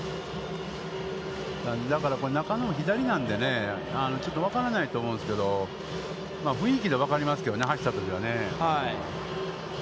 だから中野も左なんでね、ちょっと分からないと思うんですけど、雰囲気で分かりますけどね、走ったときはね。